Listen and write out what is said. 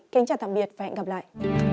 kênh chào tạm biệt và hẹn gặp lại